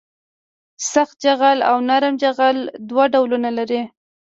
سخت جغل او نرم جغل دوه ډولونه دي